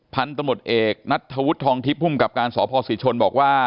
พันธุ์ตมติเอกณัฐวุธทองทิพย์ภูมิกับการศพศิษย์ชนบอกว่า